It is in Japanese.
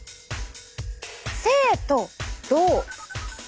「静」と「動」！